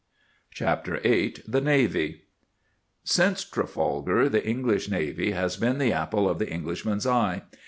CHAPTER VIII THE NAVY Since Trafalgar, the English navy has been the apple of the Englishman's eye.